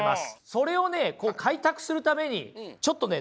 それをね開拓するためにちょっとね